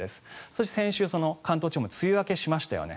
そして、先週、関東地方も梅雨明けしましたよね。